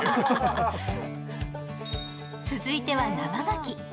続いては生がき。